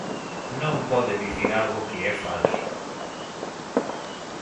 Non pode dicir algo que é falso.